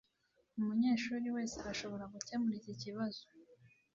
Umunyeshuri wese arashobora gukemura iki kibazo